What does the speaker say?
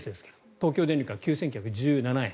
東京電力は９９１７円。